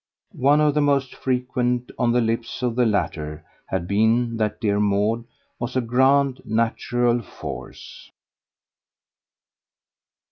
One of the most frequent on the lips of the latter had been that dear Maud was a grand natural force.